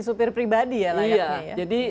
supir pribadi ya lah ya jadi